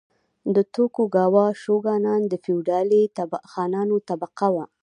د توکوګاوا شوګانان د فیوډالي خانانو طبقه وه.